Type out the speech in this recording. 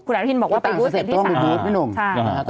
คุณอาทินบอกว่าไปบูธ